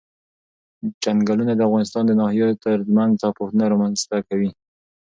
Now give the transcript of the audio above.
چنګلونه د افغانستان د ناحیو ترمنځ تفاوتونه رامنځ ته کوي.